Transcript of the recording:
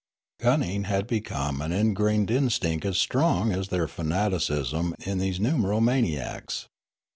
Cunning had become an ingrained instinct as strong as their fanatici.sm in these numeromaniacs.